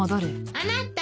・あなた！